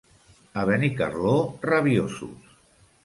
A Benicarló, rabiosos.